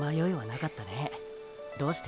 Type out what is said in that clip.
どうして？